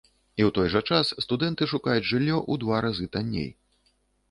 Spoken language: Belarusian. І ў той жа час студэнты шукаюць жыллё ў два разы танней.